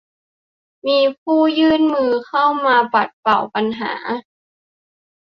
มีผู้ยื่นมือเข้ามาปัดเป่าปัญหา